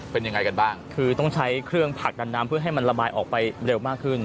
เป็นยังไงกันบ้างคือต้องใช้เครื่องผลักดันน้ำเพื่อให้มันระบายออกไปเร็วมากขึ้น